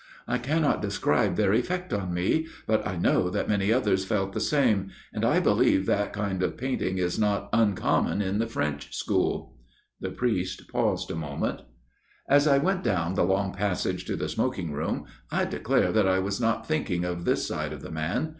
I cannot describe their effect on me ; but I know that many others felt the same, and I believe that kind of painting is not uncommon in the French School." The priest paused a moment. THE FATHER RECTOR'S STORY 75 *' As I went down the long passage to the smoking room, I declare that I was not thinking of this side of the man.